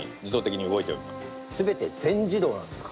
すべて全自動なんですか？